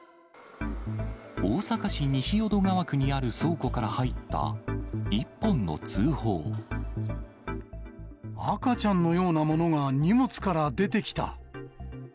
大阪市西淀川区にある倉庫から入った、赤ちゃんのようなものが荷物から出てきた。